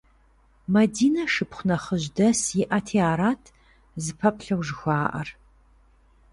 Мадинэ шыпхъу нэхъыжь дэс иӏэти арат зыпэплъэу жыхуаӏэр.